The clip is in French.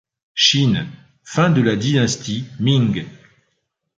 Chine, fin de la dynastie Ming.